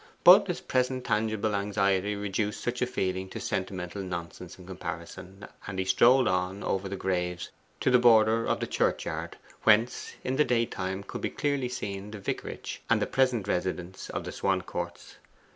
But his present tangible anxiety reduced such a feeling to sentimental nonsense in comparison; and he strolled on over the graves to the border of the churchyard, whence in the daytime could be clearly seen the vicarage and the present residence of the Swancourts.